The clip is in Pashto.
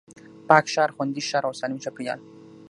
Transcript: پاک ښار، خوندي ښار او سالم چاپېريال